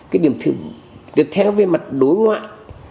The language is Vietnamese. cái điểm tiếp theo về mặt đối ngoại